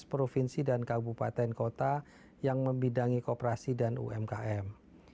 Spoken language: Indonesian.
tujuh belas provinsi dan kabupaten kota yang membidangi kooperasi dan umkm